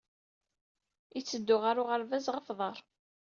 Yetteddu ɣer uɣerbaz ɣef uḍar.